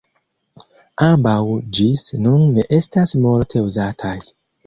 Ambaŭ ĝis nun ne estas multe uzataj.